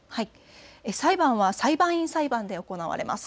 裁判は裁判員裁判で行われます。